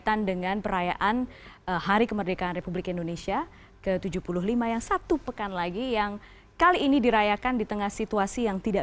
yang saya sering ketemuan petik dari penanian